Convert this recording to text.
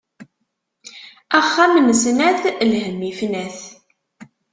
Axxam n snat, lhemm ifna-t.